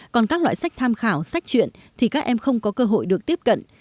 còn các loại sách tham khảo sách chuyện thì các em không có cơ hội được tiếp cận